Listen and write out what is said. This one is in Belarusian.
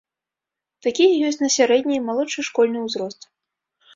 Такія ёсць на сярэдні і малодшы школьны ўзрост.